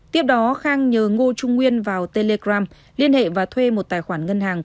tiếp đó khang nhờ ngô trung nguyên vào telegram liên hệ và thuê một tài khoản ngân hàng